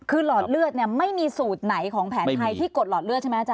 คือหลอดเลือดเนี่ยไม่มีสูตรไหนของแผนไทยที่กดหลอดเลือดใช่ไหมอาจาร